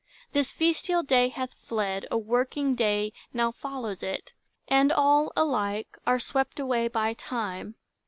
This festal day Hath fled; a working day now follows it, And all, alike, are swept away by Time.